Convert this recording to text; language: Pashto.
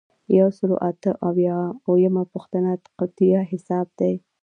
یو سل او اته اویایمه پوښتنه قطعیه حساب دی.